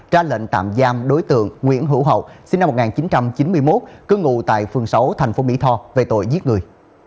ra lệnh tạm giam đối tượng nguyễn hữu hậu sinh năm một nghìn chín trăm chín mươi một cư ngụ tại phường sáu thành phố mỹ tho về tội giết người